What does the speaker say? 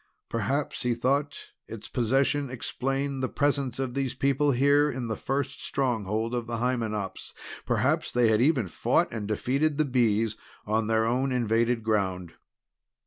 Perhaps, he thought, its possession explained the presence of these people here in the first stronghold of the Hymenops; perhaps they had even fought and defeated the Bees on their own invaded ground.